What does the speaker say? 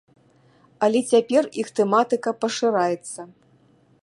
Але цяпер іх тэматыка пашыраецца.